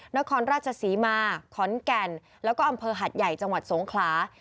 นครราชศรีมาขอนแก่นแล้วก็อำเภอหัดใหญ่จังหวัดสงขลา